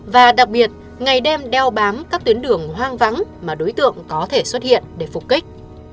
và đặc biệt ngày đêm đeo bám các tuyến đường hoang vắng mà đối tượng có thể xuất hiện để phục kích